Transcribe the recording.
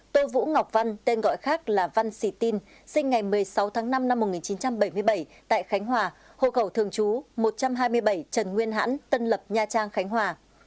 tô vũ ngọc văn tên gọi khác là văn sì tin sinh ngày một mươi sáu tháng năm năm một nghìn chín trăm bảy mươi bảy tại khánh hòa hộ khẩu thường trú một trăm hai mươi bảy trần nguyên hãn tân lập nha trang khánh hòa